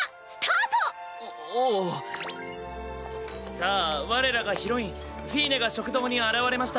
さあ我らがヒロインフィーネが食堂に現れました。